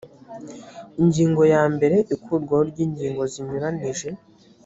ingingo ya mbere ikurwaho ry ingingo zinyuranije